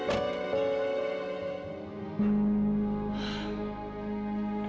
sebentar ning ya saya betulin dulu ya